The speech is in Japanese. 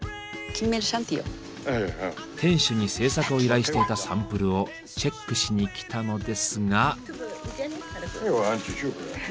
店主に制作を依頼していたサンプルをチェックしにきたのですが。